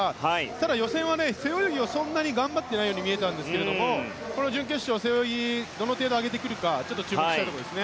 ただ、予選は背泳ぎはそんなに頑張っていないように見えたんですがこの準決勝、背泳ぎどの程度上げてくるか注目したいところです。